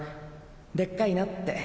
でっかいなって。